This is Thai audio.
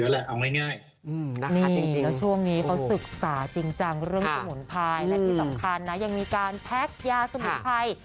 และที่สำคัญนะยังมีการแพ็กยาสมุนไพร